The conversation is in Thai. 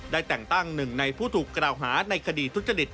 แต่งตั้งหนึ่งในผู้ถูกกล่าวหาในคดีทุจริต